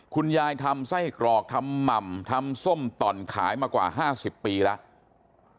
คุณยายทำไส้กรอกทำหม่ำทำส้มต่อนขายมากว่า๕๐ปีแล้ว